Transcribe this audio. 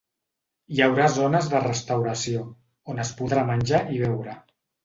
Hi haurà zones de restauració, on es podrà menjar i beure.